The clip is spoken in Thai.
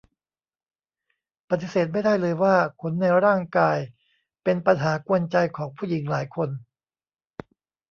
ปฎิเสธไม่ได้เลยว่าขนในร่างกายเป็นปัญหากวนใจของผู้หญิงหลายคน